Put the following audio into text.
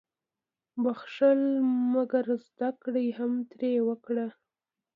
• بخښل، مګر زده کړه هم ترې وکړه.